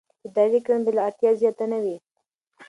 اداري کړنه باید له اړتیا زیاته نه وي.